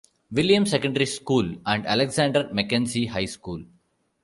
Williams Secondary School and Alexander Mackenzie High School.